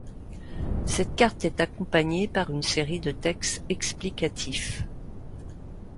Cette carte est accompagnée par une série de textes explicatifs.